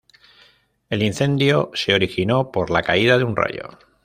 El incendio se originó por la caída de un rayo.